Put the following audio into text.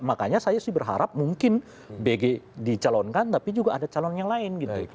makanya saya sih berharap mungkin bg dicalonkan tapi juga ada calon yang lain gitu